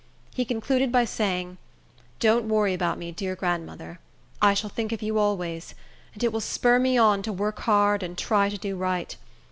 He concluded by saying, "Don't worry about me, dear grandmother. I shall think of you always; and it will spur me on to work hard and try to do right.